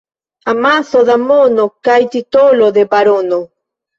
Amaso da mono kaj titolo de barono.